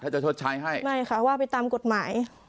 ถ้าจะชดใช้ให้ไม่ค่ะว่าไปตามกฎหมาย